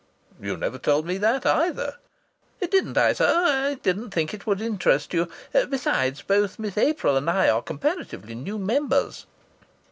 "You never told me that, either?" "Didn't I, sir? I didn't think it would interest you. Besides, both Miss April and I are comparatively new members."